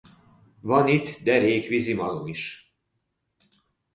Van itt derék vizimalom is.